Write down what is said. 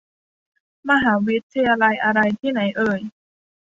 มหาวิทยาลัยอะไร ที่ไหนเอ่ย